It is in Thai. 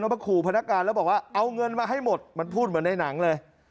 มาขู่พนักงานแล้วบอกว่าเอาเงินมาให้หมดมันพูดเหมือนในหนังเลย